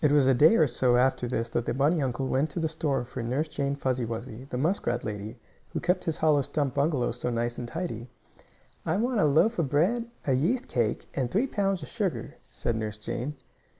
It was a day or so after this that the bunny uncle went to the store for Nurse Jane Fuzzy Wuzzy, the muskrat lady, who kept his hollow stump bungalow so nice and tidy. "I want a loaf of bread, a yeast cake and three pounds of sugar," said Nurse Jane.